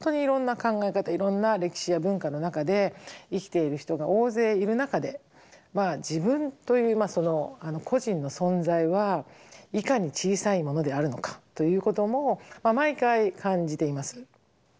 いろんな歴史や文化の中で生きている人が大勢いる中で自分という個人の存在はいかに小さいものであるのかということも毎回感じています。